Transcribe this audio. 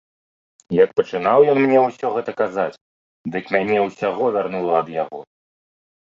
Як пачынаў ён мне ўсё гэта казаць, дык мяне ўсяго вярнула ад яго.